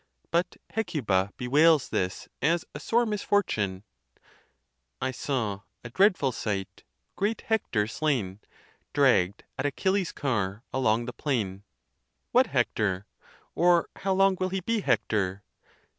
But Hecuba bewails this as a sore misfortune : I saw (a dreadful sight) great Hector slain, Dragg'd at Achilles' car along the plain. What Hector? or how long will he be Hector?